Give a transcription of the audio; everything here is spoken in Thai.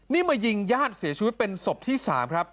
นี่มายิงญาติเสียชีวิตเป็นศพที่๓ครับ